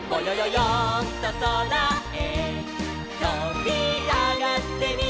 よんとそらへとびあがってみよう」